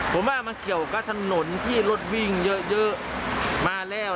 ผมว่ามันเกี่ยวกับถนนที่รถวิ่งเยอะมาแล้ว